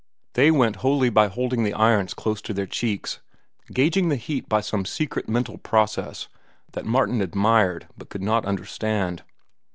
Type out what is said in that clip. They went wholly by holding the irons close to their cheeks, gauging the heat by some secret mental process that Martin admired but could not understand.